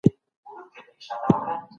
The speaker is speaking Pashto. هر څوک بايد خپل مسؤليت ادا کړي.